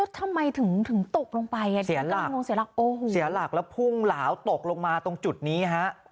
ทำไมถึงตกลงไปเสียหลักแล้วพุ่งเหลาตกลงมาตรงจุดนี้ฮะ